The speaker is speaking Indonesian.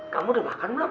kamu udah makan belum